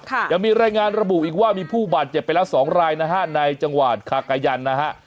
ยังมีรายงานระบุอีกว่ามีผู้บาดเจ็บไปแล้วสองรายนะฮะในจังหวัดคากายันนะฮะ